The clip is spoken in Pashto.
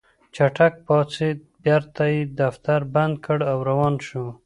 چټک پاڅېد بېرته يې دفتر بند کړ او روان شو.